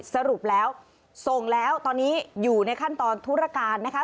สรุปแล้วส่งแล้วตอนนี้อยู่ในขั้นตอนธุรการนะคะ